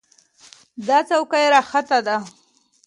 دا چوکۍ راحته ده.